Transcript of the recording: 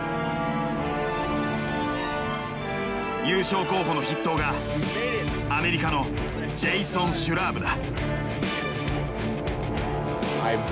優勝候補の筆頭がアメリカのジェイソン・シュラーブだ。